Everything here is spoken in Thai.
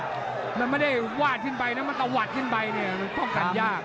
มันไม่ได้วาดขึ้นไปนะมันตะวัดขึ้นไปเนี่ยมันป้องกันยาก